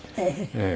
ええ。